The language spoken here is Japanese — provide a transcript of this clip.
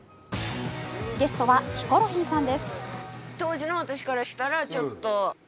ゲストはヒコロヒーさんです。